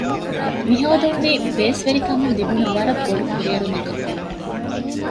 މިހޯދުން ވީ ބޭސްވެރިކަމަށް ލިބުނު ވަރަށް ބޮޑުކުރިއެރުމަކަށް